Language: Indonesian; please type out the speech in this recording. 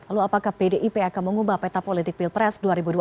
lalu apakah pdip akan mengubah peta politik pilpres dua ribu dua puluh